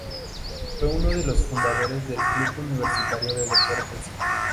Fue uno de los fundadores del Club Universitario de Deportes.